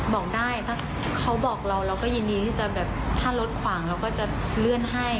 บอกได้ถ้าเขาบอกเราเราก็ยินดีที่จะแบบถ้ารถขวางเราก็จะเลื่อนให้